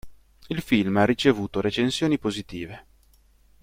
Il film ha ricevuto recensioni positive.